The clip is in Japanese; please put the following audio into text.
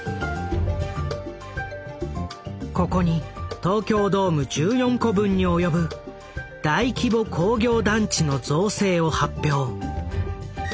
ここに東京ドーム１４個分に及ぶ大規模工業団地の造成を発表。